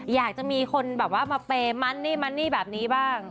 อยากจะมีคนแบบว่ามาเปย์มันนี่มันนี่แบบนี้บ้าง